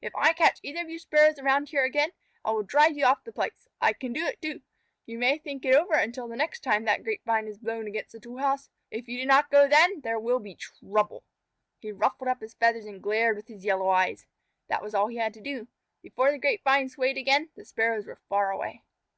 If I catch either of you Sparrows around here again, I will drive you off the place. I can do it, too. You may think it over until the next time that grapevine is blown against the tool house. If you do not go then, there will be trouble." He ruffled up his feathers and glared with his yellow eyes. That was all he had to do. Before the grapevine swayed again, the Sparrows were far away.